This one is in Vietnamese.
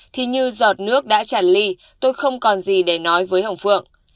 thì như giọt nước đã tràn ly tôi không còn gì để nói với hồng phượng